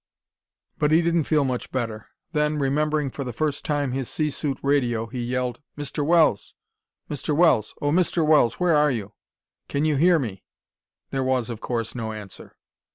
But he didn't feel much better. Then, remembering for the first time his sea suit radio, he yelled: "Mr. Wells! Mr. Wells! Oh, Mr. Wells, where are you? Can you hear me?" There was, of course, no answer.